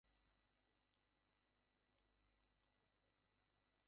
মুসা বাংলা, ইংরেজি এবং উর্দুতে সাবলীল।